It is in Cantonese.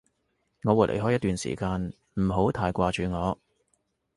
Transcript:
我會離開一段時間，唔好太掛住我